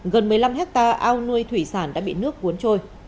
gần một mươi năm hectare ao nuôi thủy sản đã bị nước cuốn trôi